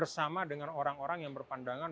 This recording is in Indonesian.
bersama dengan orang orang yang berpandangan